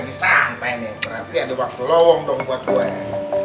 gak ada waktu lowong dong buat gue